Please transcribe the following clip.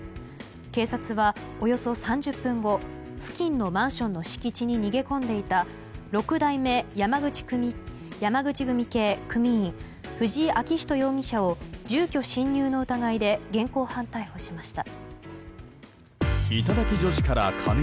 警察は、およそ３０分後付近のマンションの敷地に逃げ込んでいた六代目山口組系組員藤井紋寛容疑者を住居侵入の疑いで現行犯逮捕しました。